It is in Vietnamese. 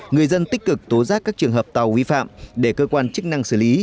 người dân tích cực tố giác các trường hợp tàu vi phạm để cơ quan chức năng xử lý